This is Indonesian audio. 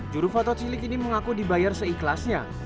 juru foto cilik ini mengaku dibayar seikhlasnya